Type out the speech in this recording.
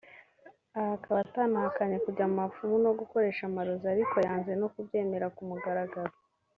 aha akaba atahakanye kujya mu bapfumu no gukoresha amarozi arikonyanze no kubyemera ku mugaragaro